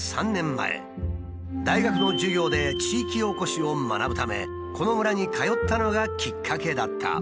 大学の授業で地域おこしを学ぶためこの村に通ったのがきっかけだった。